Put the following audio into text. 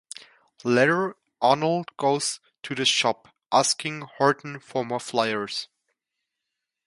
Later Arnold goes to the shop asking Horton for more flyers.